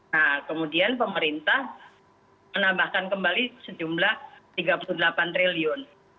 nah kemudian pemerintah menambahkan kembali sejumlah rp tiga puluh delapan triliun